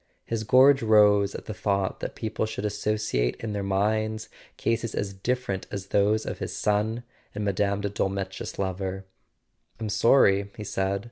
His gorge rose at the thought that people should associate in their minds cases as different as those of his son and Mme. de Dolmetsch's lover. "I'm sorry," he said.